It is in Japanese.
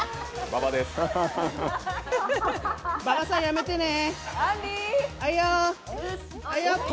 馬場さんやめてね。